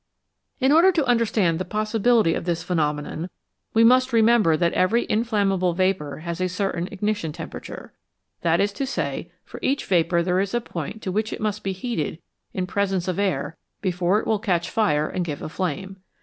In order to understand the possibility of this pheno menon, we must remember that every inflammable vapour has a certain ignition temperature. That is to say, for each vapour there is a point to which it must be heated in presence of air before it will catch fire and give a flame.